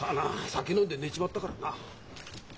酒飲んで寝ちまったからな。